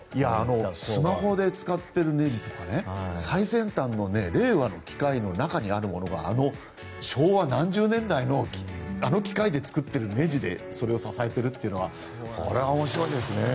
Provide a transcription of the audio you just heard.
スマホで使ってるねじとか最先端の令和の機械の中にあるものが昭和何十年代のあの機械で作っているねじでそれを支えているのはこれは、面白いですね。